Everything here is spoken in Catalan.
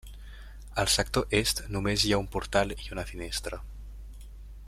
Al sector est només hi ha un portal i una finestra.